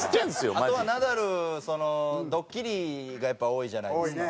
あとはナダルそのドッキリがやっぱり多いじゃないですか。